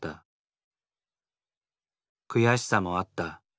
悔しさもあった。